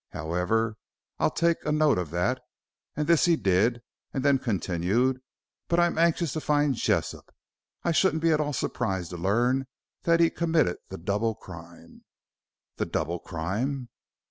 However, I'll take a note of that," and this he did, and then continued. "But I'm anxious to find Jessop. I shouldn't be at all surprised to learn that he committed the double crime." "The double crime?"